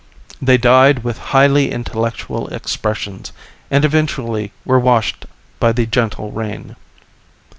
They died with highly intellectual expressions, and eventually were washed by the gentle rain.